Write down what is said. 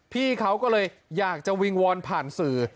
พี่เขาก็เลยอยากจะวิงวอนผ่านสื่อ